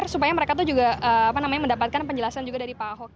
supaya mereka mendapatkan penjelasan juga dari pak ahok